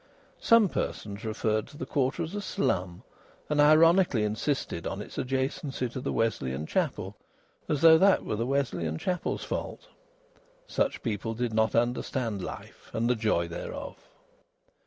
Some persons referred to the quarter as a slum, and ironically insisted on its adjacency to the Wesleyan chapel, as though that was the Wesleyan chapel's fault. Such people did not understand life and the joy thereof.